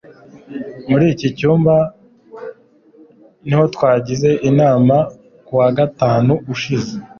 muri iki cyumba niho twagize inama kuwa gatanu ushize